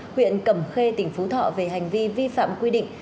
huyện cầm khê tỉnh phú thọ về hành vi vi phạm quy định